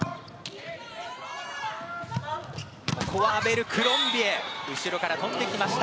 アベルクロンビエ後ろから跳んできました。